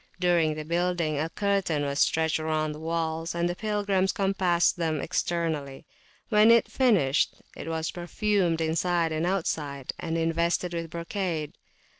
During the building, a curtain was stretched round the walls, and pilgrims compassed them externally. When finished, it was perfumed inside and outside, and invested with brocade.